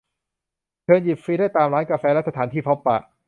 เชิญหยิบฟรีได้ตามร้านกาแฟและสถานที่พบปะ